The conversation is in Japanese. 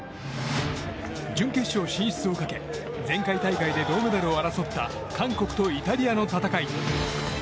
準決勝進出をかけ前回大会で銅メダルを争った韓国とイタリアの戦い。